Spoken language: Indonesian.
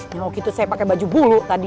kalau gitu saya pakai baju bulu tadi